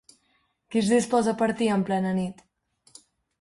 Qui es disposa a partir en plena nit?